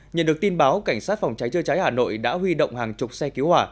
nhận được tin báo cảnh sát phòng cháy chơi cháy hà nội đã huy động hàng chục xe cứu hỏa